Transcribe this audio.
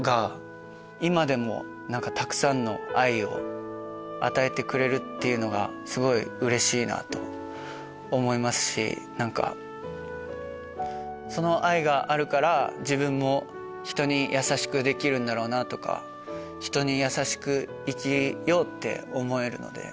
今でもたくさんの愛を与えてくれるっていうのがすごいうれしいなと思いますし何かその愛があるから自分も人に優しくできるんだろうなとか人に優しく生きようって思えるので。